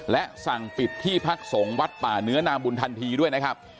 และสั่งปิดที่พักสงฆ์วัดป่าเนื้อนาบุญทันทีด้วยนะครับ